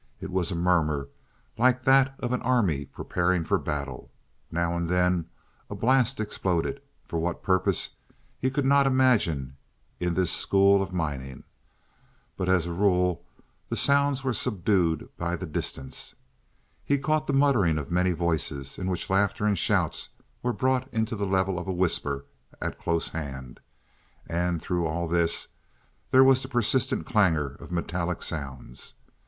It was a murmur like that of an army preparing for battle. Now and then a blast exploded, for what purpose he could not imagine in this school of mining. But as a rule the sounds were subdued by the distance. He caught the muttering of many voices, in which laughter and shouts were brought to the level of a whisper at close hand; and through all this there was a persistent clangor of metallic sounds.